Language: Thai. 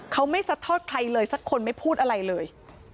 เขาไม่ซัดทอดใครเลยสักคนไม่พูดอะไรเลย